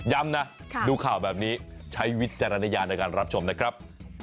ย้ำนะดูข่าวแบบนี้ใช้วิจารณญาณในการรับชมนะครับ